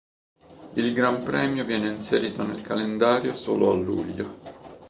Il Gran Premio viene inserito nel calendario solo a luglio.